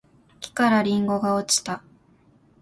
木からりんごが落ちた